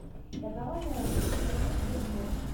La parole est à Monsieur Daniel Goldberg.